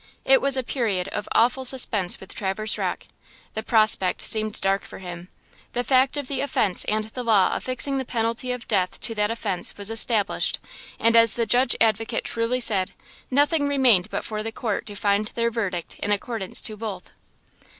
It was a period of awful suspense with Traverse Rocke. The prospect seemed dark for him. The fact of the offense and the law affixing the penalty of death to that offence was established, and as the Judge Advocate truly said, nothing remained but for the court to find their verdict in accordance to both.